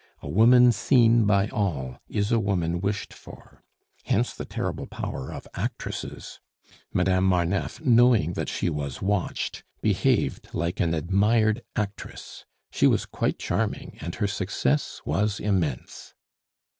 A woman seen by all is a woman wished for. Hence the terrible power of actresses. Madame Marneffe, knowing that she was watched, behaved like an admired actress. She was quite charming, and her success was immense.